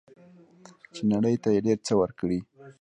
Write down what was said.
چې نړۍ ته یې ډیر څه ورکړي.